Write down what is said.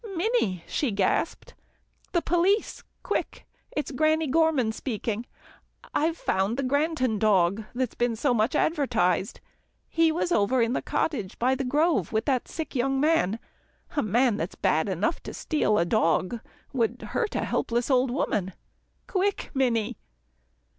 "Minnie," she gasped, "the police, quick, it's Granny Gorman speaking. I've found the Granton dog that's been so much advertised. He was over in the cottage by the grove with the sick young man. A man that's bad enough to steal a dog, would hurt a helpless old woman quick, Minnie."